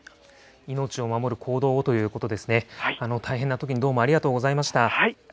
命を守る行動をということですね、大変なときにどうもありがありがとうございました。